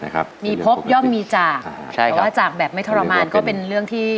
ครับมีพบย่อมมีจากใช่แต่ว่าจากแบบไม่ทรมานก็เป็นเรื่องที่